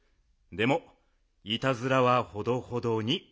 でもいたずらはほどほどに。